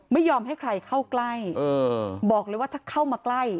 ไม่ยอมให้ใครเข้าใกล้บอกเลยว่าถ้าเข้ามาใกล้